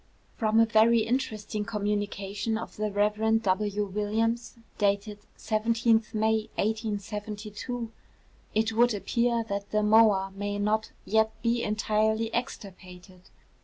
From a very interesting communication of the Rev. W. Williams, dated 17th May 1872, it would appear that the moa may not yet be entirely extirpated.